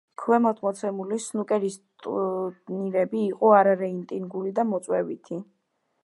ქვემოთ მოცემული სნუკერის ტურნირები იყო არარეიტინგული და მოწვევითი.